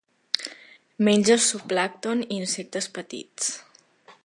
Menja zooplàncton i insectes petits.